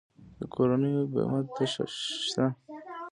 د کورونو بیمه شته؟